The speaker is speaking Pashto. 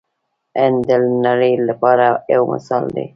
هند د نړۍ لپاره یو مثال دی.